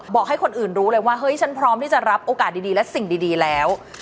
บอกให้คนอื่นรู้เลยว่าเฮ้ยฉันพร้อมที่จะรับโอกาสดีและสิ่งดีแล้ว